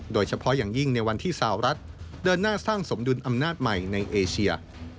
โดยเฉพาะอย่างยิ่งในวันที่สาวรัฐเดินหน้าสร้างสมดุลอำนาจใหม่ในเอเชีย